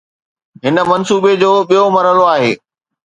هن منصوبي جو ٻيو مرحلو آهي